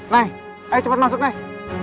nih ayo cepet masuk nih